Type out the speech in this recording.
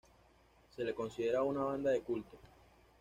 Se le considera una banda de culto.